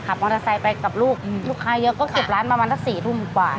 มอเตอร์ไซค์ไปกับลูกลูกค้าเยอะก็เก็บร้านประมาณสัก๔ทุ่มกว่า